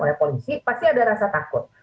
oleh polisi pasti ada rasa takut